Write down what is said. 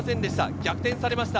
逆転されました。